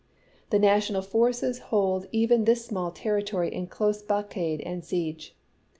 The national forces hold even this small ten^itory in close blockade and siege.